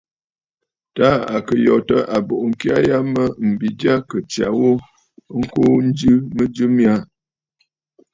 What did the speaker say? Taà à kɨ̀ yòtə̂ àbùʼu ŋkya ya mə mbi jyâ kɨ̀ tsya ghu ŋkuu njɨ mɨjɨ mya aà.